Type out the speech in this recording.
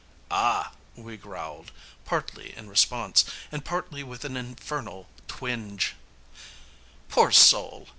"Ah!" we growled, partly in response, and partly with an infernal twinge, "Poor soul!"